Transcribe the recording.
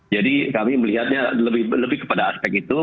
jadi kami melihatnya lebih kepada aspek itu